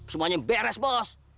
semuanya beres bos